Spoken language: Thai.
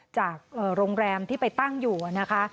จากโรงแรมที่ไปตั้งอยู่นะคะ